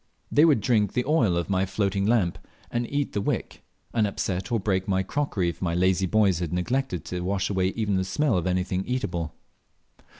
They would drink the oil of my floating lamp and eat the wick, and upset or break my crockery if my lazy boys had neglected to wash away even the smell of anything eatable.